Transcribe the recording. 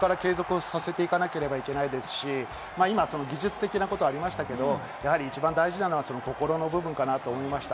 これを継続させなければいけないですし、技術的なこともありましたが、一番大事なのは心の部分かなと思いました。